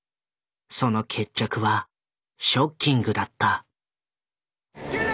その決着はショッキングだった。